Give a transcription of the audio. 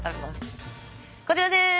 こちらです。